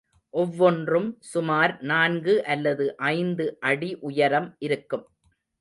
ஒவ்வொன்றும் சுமார் நான்கு அல்லது ஐந்து அடி உயரம் இருக்கும்.